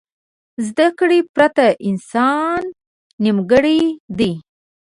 زده کړې پرته انسان نیمګړی دی.